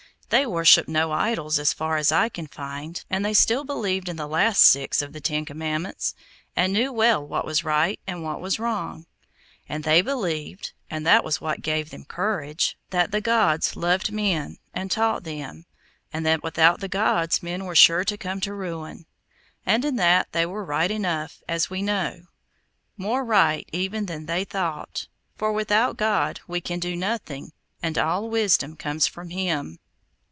They worshipped no idols, as far as I can find; and they still believed in the last six of the ten commandments, and knew well what was right and what was wrong. And they believed (and that was what gave them courage) that the gods loved men, and taught them, and that without the gods men were sure to come to ruin. And in that they were right enough, as we know—more right even than they thought; for without God we can do nothing, and all wisdom comes from Him.